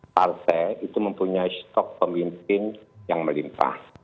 partai itu mempunyai stok pemimpin yang melimpah